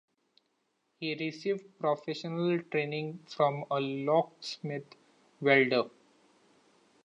He received professional training for a locksmith-welder.